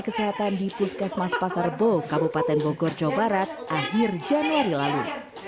kesehatan di puskesmas pasar bo kabupaten bogor jawa barat akhir januari lalu